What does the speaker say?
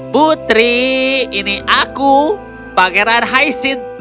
putri ini aku pangeran haisin